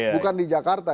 bukan di jakarta